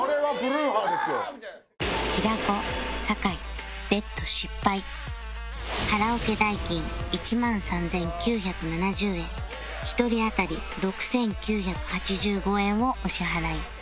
平子酒井 ＢＥＴ 失敗カラオケ代金１万３９７０円１人当たり６９８５円をお支払い